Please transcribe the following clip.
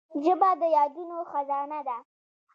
ژبه د یادونو خزانه ده